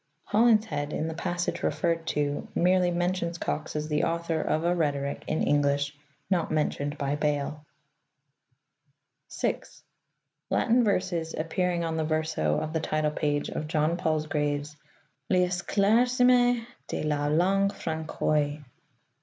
HoUinshed, in the passage referred to, merely mentions Cox as the author of a Rhetoric in English not mentioned by Bale. 6. Latin Verses appearing on the verso of the title page of John Palsgrave's L' Esclarcissement de la Langue Francoyse, 1530; folio.